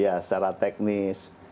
iya masalah teknis